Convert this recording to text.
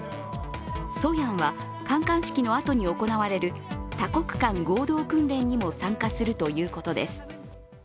「ソヤン」は観艦式のあとに行われる多国間合同訓練にも参加するということです。